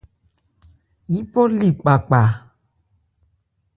Yípɔ li kpakpâ.